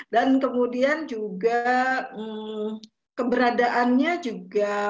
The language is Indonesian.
dan kemudian juga keberadaannya juga